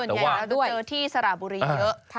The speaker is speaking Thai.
ส่วนใหญ่แล้วเจอที่สระบุรีเยอะ